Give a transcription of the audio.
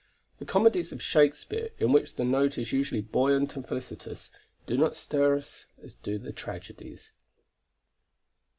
The comedies of Shakespeare, in which the note is usually buoyant and felicitous, do not stir us as do the tragedies.